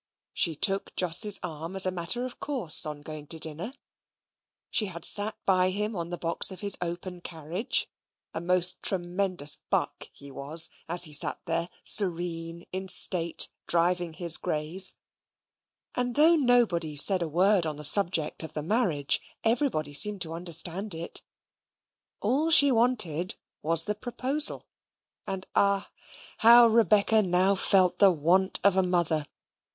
She took Jos's arm, as a matter of course, on going to dinner; she had sate by him on the box of his open carriage (a most tremendous "buck" he was, as he sat there, serene, in state, driving his greys), and though nobody said a word on the subject of the marriage, everybody seemed to understand it. All she wanted was the proposal, and ah! how Rebecca now felt the want of a mother!